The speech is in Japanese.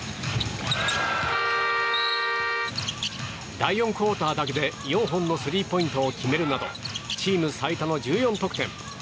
第４クオーターだけで４本のスリーポイントを決めるなどチーム最多の１４得点。